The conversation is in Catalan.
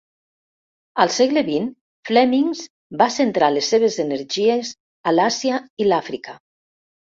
Al segle XX, Flemings va centrar les seves energies a l'Àsia i l'Àfrica.